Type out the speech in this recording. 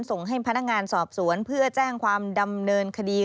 ส่งให้พนักงานสอบสวนเพื่อแจ้งความดำเนินคดี